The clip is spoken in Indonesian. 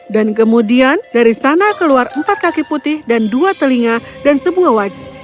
dan kemudian dari sana keluar empat kaki putih dan dua telinga dan sebuah wajah